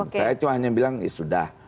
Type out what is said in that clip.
saya cuma hanya bilang ya sudah